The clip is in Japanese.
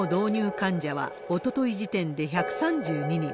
患者は、おととい時点で１３２人。